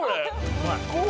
うまい。